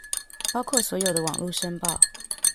包括所有的網路申報